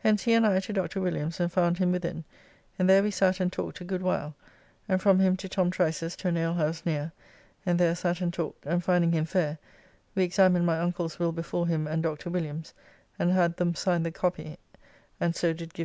Hence he and I to Dr. Williams, and found him within, and there we sat and talked a good while, and from him to Tom Trice's to an alehouse near, and there sat and talked, and finding him fair we examined my uncle's will before him and Dr. Williams, and had them sign the copy and so did give T.